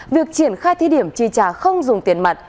việc triển khai thí điểm chi trả không dùng tiền mặt